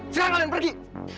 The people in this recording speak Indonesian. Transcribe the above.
sekarang kalian pergi